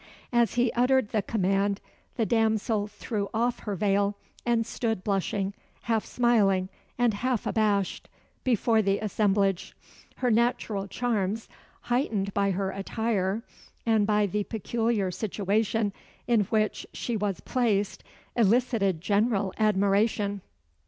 As he uttered the command, the damsel threw off her veil, and stood blushing, half smiling and half abashed, before the assemblage. Her natural charms, heightened by her attire, and by the peculiar situation in which she was placed, elicited general admiration.